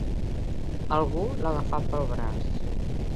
Algú l'agafà pel braç.